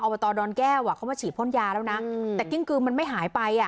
บตดอนแก้วอ่ะเขามาฉีดพ่นยาแล้วนะแต่กิ้งกือมันไม่หายไปอ่ะ